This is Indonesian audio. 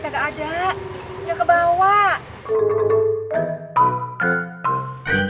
kalau kak book ini